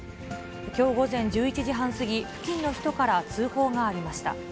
きょう午前１１時半過ぎ、付近の人から通報がありました。